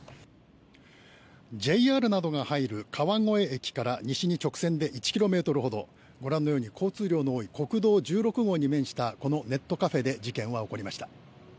ＪＲなどが入る川越駅から西に直線で１ｋｍほどご覧のように交通量の多い国道１６号に面したこのネットカフェで事件は起こりました。